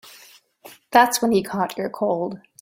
That's when he caught your cold.